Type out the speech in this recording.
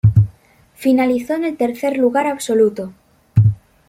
Finalizó en el tercer lugar absoluto.